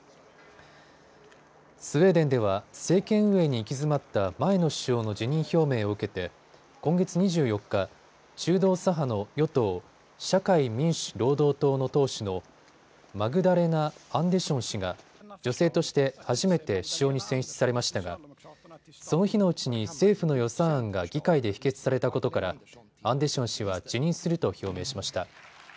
スウェーデンでは政権運営に行き詰まった前の首相の辞任表明を受けて今月２４日、中道左派の与党、社会民主労働党の党首のマグダレナ・アンデション氏が女性として初めて首相に選出されましたがその日のうちに政府の予算案が議会で否決されたことからアンデション氏は辞任すると表明しました。